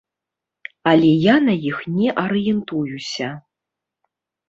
Але я на іх не арыентуюся.